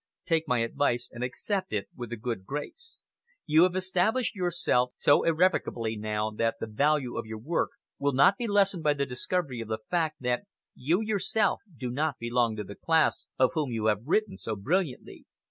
Take my advice and accept it with a good grace. You have established yourself so irrevocably now that the value of your work will not be lessened by the discovery of the fact that you yourself do not belong to the class of whom you have written so brilliantly.